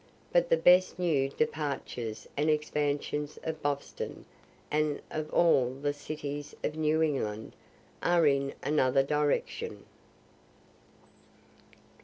But the best new departures and expansions of Boston, and of all the cities of New England, are in another direction.